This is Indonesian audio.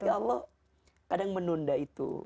ya allah kadang menunda itu